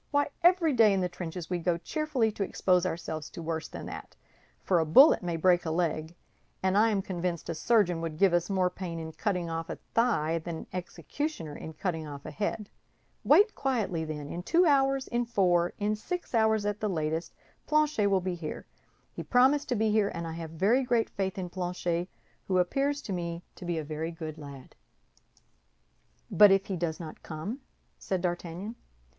Why, every day in the trenches we go cheerfully to expose ourselves to worse than that—for a bullet may break a leg, and I am convinced a surgeon would give us more pain in cutting off a thigh than an executioner in cutting off a head. Wait quietly, then; in two hours, in four, in six hours at latest, Planchet will be here. He promised to be here, and I have very great faith in Planchet, who appears to me to be a very good lad." "But if he does not come?" said D'Artagnan.